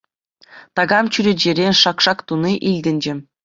Такам чӳречерен шак-шак туни илтӗнчӗ.